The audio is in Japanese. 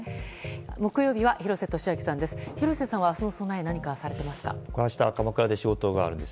木曜日は廣瀬俊朗さんです。